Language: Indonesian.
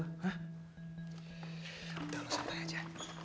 udah lo santai aja